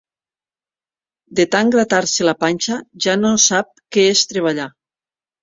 De tant gratar-se la panxa, ja no sap què és treballar.